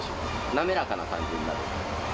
滑らかな感じになります。